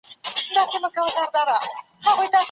د مرکې پر مهال ليدل ولي اړين دي؟